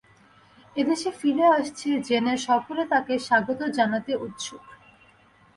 এদেশে ফিরে আসছে জেনে সকলে তাকে স্বাগত জানাতে উৎসুক।